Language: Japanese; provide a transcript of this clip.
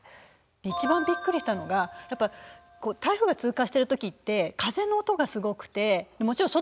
一番びっくりしたのがやっぱ台風が通過してる時って風の音がすごくてもちろん外にも出れない。